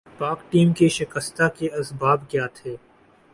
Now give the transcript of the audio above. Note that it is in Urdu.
پاک ٹیم کے شکستہ کے اسباب کیا تھے